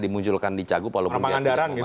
dimunculkan di cagu orang pangandaran